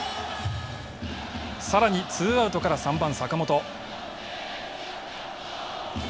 さらにツーアウトから３番坂本。